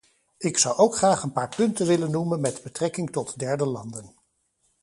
Ik zou ook graag een paar punten willen noemen met betrekking tot derde landen.